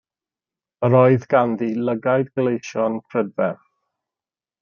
Yr oedd ganddi lygaid gleision prydferth.